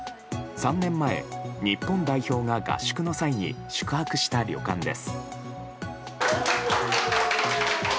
３年前、日本代表が合宿の際に宿泊した旅館です。